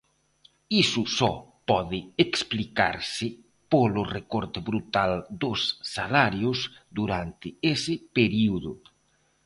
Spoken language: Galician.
Iso só pode explicarse polo recorte brutal dos salarios durante ese período.